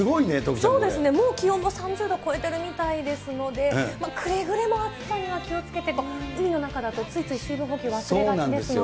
もう気温が３０度を超えているみたいですけれども、くれぐれも暑さには気をつけて、海の中だとついつい水分補給忘れがちですので。